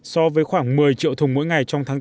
so với khoảng một mươi triệu thùng mỗi ngày trong tháng bốn